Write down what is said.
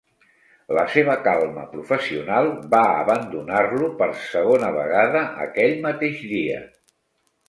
La seva calma professional va abandonar-lo per segona vegada aquell mateix dia.